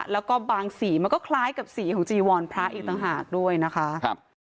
แล้วก็บางสีมันก็คล้ายกับสีของจีวรพระอีกต่างหากด้วยนะคะ